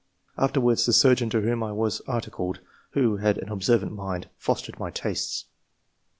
Afterwards the surgeon to whom I was articled, who had an observant mind, fostered my tastes."